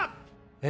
え